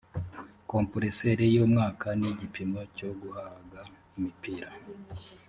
kompureseri y’umwuka n’igipimo cyo guhaga imipira